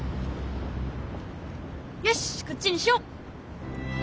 よしっこっちにしよう！